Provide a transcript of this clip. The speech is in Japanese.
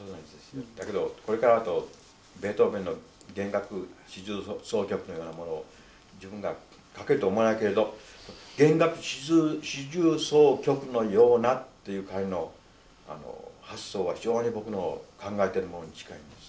だけどこれからあとベートーベンの弦楽四重奏曲のようなものを自分が書けると思わないけれど弦楽四重奏曲のようなっていう彼の発想は非常に僕の考えてるものに近いんです。